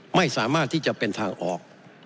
ไม่สามารถที่จะเป็นทางออก